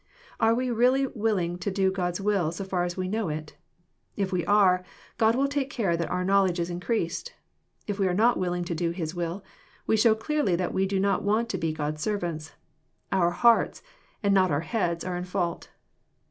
Are we really willing to do God's will so far as we know it? If we are, God will take care that our knowledge is increased. If we are not willing to do His will, we show clearly that we do not want to be God's servants. Our hearts and not our heads are in fault.